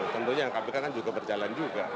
tentunya kpk kan juga berjalan juga